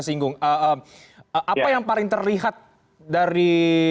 singgung apa yang paling terlihat dari